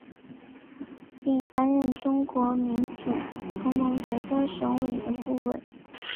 并担任中国民主同盟浙江省委的顾问。